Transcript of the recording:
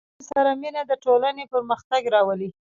• د علم سره مینه، د ټولنې پرمختګ راولي.